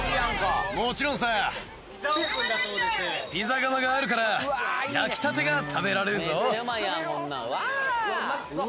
もちろんさピザ窯があるから焼きたてが食べられるぞめっちゃうまいやん